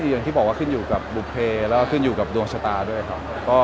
อย่างที่บอกว่าขึ้นอยู่กับลูอบเพแล้วก็ดวงชะตาด้วยครับ